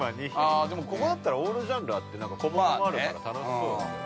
◆ここだったらオールジャンルあってなんか小物もあるから楽しそう。